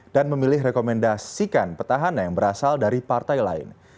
dan memilih rekomendasikan petahan yang berasal dari partai lain